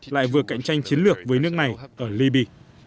lại vừa cạnh tranh chiến lược với nước này ở liby